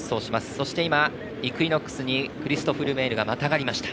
そして、イクイノックスにクリストフ・ルメールがまたがりました。